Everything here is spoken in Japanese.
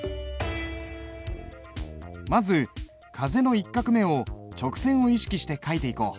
まず「風」の１画目を直線を意識して書いていこう。